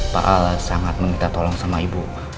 pak al sangat meminta tolong sama ibu